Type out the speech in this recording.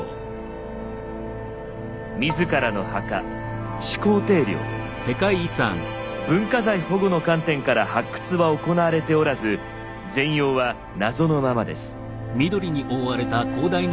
自らの墓文化財保護の観点から発掘は行われておらず全容は謎のままです。